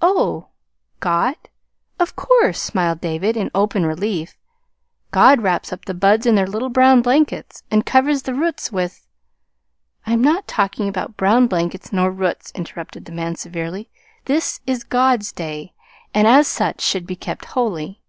"Oh, 'God'? of course," smiled David, in open relief. "God wraps up the buds in their little brown blankets, and covers the roots with " "I am not talking about brown blankets nor roots," interrupted the man severely. "This is God's day, and as such should be kept holy."